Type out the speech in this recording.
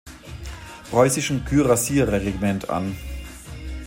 Preußischen Kürassierregiment an.